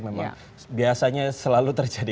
memang biasanya selalu terjadi